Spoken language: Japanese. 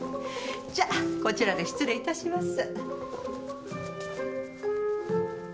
じゃこちらで失礼いたします。